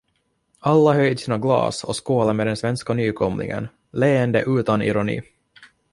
Alla höjde sina glas och skålade med den svenska nykomlingen, leende utan ironi.